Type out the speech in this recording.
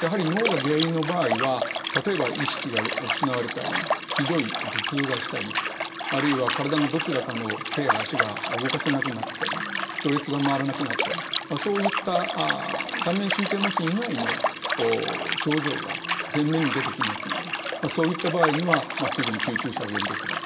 やはり脳が原因の場合は例えば意識が失われたりひどい頭痛がしたりあるいは体のどちらかの手や足が動かせなくなったりろれつが回らなくなったりそういった顔面神経麻痺以外の症状が前面に出てきますのでそういった場合にはすぐに救急車を呼んでいただきたいと。